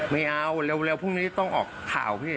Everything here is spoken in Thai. ไม่เอาเร็วพรุ่งนี้ต้องออกข่าวพี่